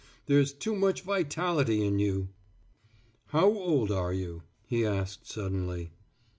There's too much vitality in you. "How old are you?" he asked suddenly.